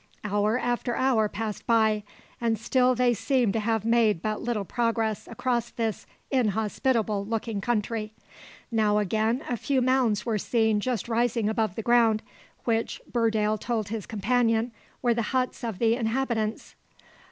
Hour after hour passed by, and still they seemed to have made but little progress across this inhospitable looking country. Now again a few mounds were seen just rising above the ground, which, Burdale told his companion, were the huts of the inhabitants.